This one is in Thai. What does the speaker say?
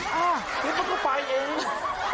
นี่มันก็ไปเอง